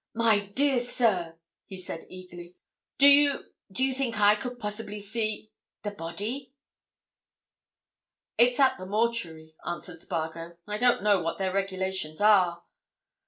"My dear sir!" he said, eagerly. "Do you—do you think I could possibly see—the body?" "It's at the mortuary," answered Spargo. "I don't know what their regulations are."